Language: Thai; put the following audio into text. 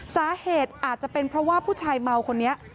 สาเหตุอาจจะเป็นเพราะว่าผู้ชายเมาคนนี้